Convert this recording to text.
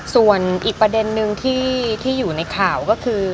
ส่วนอีกประเด็นนึงที่อยู่ในข่าวก็คือ